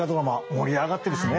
盛り上がってるしね！